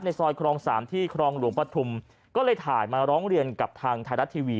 ซอยครองสามที่ครองหลวงปฐุมก็เลยถ่ายมาร้องเรียนกับทางไทยรัฐทีวี